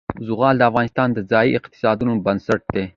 زغال د افغانستان د ځایي اقتصادونو بنسټ دی.